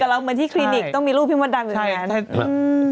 เหมือนที่คลินิกต้องมีรูปพิมพ์ดังอย่างนั้น